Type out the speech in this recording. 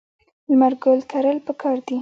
لمر ګل کرل پکار دي.